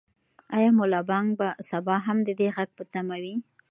آیا ملا بانګ به سبا هم د دې غږ په تمه وي؟